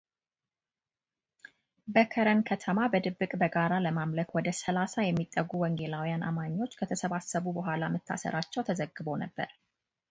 በከረን ከተማ በድብቅ በጋራ ለማምለክ ወደ ሰላሳ የሚጠጉ ወንጌላውያን አማኞች ከተሰባሰቡ በኋላ መታሰራቸው ተዘግቦ ነበር።